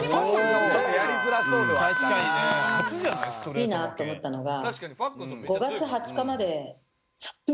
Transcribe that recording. いいなと思ったのが。